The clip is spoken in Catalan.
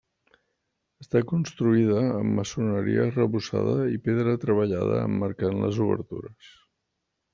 Està construïda amb maçoneria arrebossada i pedra treballada emmarcant les obertures.